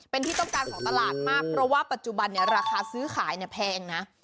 เป็นที่ต้องการของตลาดมากเพราะว่าปัจจุบันเนี่ยราคาซื้อขายเนี่ยแพงนะ